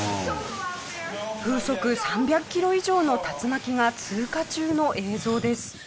風速３００キロ以上の竜巻が通過中の映像です。